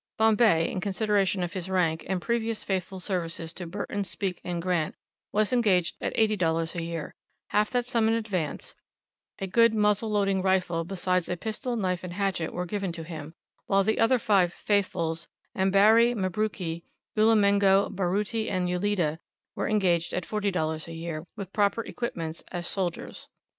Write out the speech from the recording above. Bombay, in consideration of his rank, and previous faithful services to Burton, Speke and Grant, was engaged at $80 a year, half that sum in advance, a good muzzle loading rifle, besides, a pistol, knife, and hatchet were given to him, while the other five "Faithfuls," Ambari, Mabruki, Ulimengo, Baruti, and Uledi, were engaged at $40 a year, with proper equipments as soldiers.